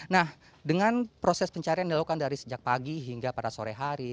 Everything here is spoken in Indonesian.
nah dengan proses pencarian dilakukan dari sejak pagi hingga pada sore hari